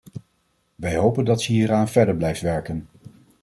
Wij hopen dat ze hieraan verder blijft werken.